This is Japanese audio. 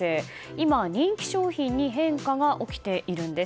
今、人気商品に変化が起きているんです。